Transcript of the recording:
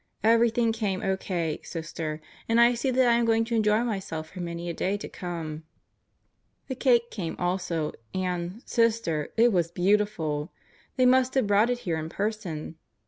Everything came O.K., Sister, and I see that I am going to enjo> myself for many a day to come. The cake came also, and, Sister, it was beautiful! They must have brought it here in person. Mr.